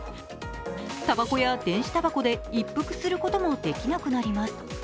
たばこや電子たばこで一服することもできなくなります。